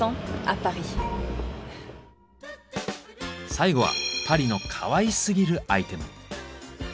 最後はパリのかわいすぎるアイテム。